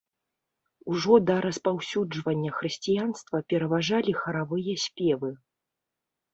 Ужо да распаўсюджвання хрысціянства пераважалі харавыя спевы.